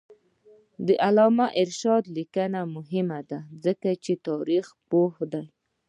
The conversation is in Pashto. د علامه رشاد لیکنی هنر مهم دی ځکه چې تاریخپوه دی.